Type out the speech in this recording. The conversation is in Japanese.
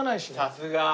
さすが！